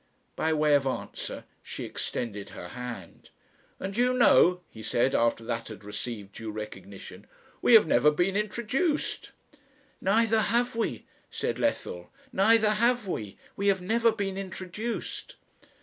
By way of answer she extended her hand. "And do you know," he said, after that had received due recognition, "we have never been introduced!" "Neither have we!" said Ethel. "Neither have we! We have never been introduced!"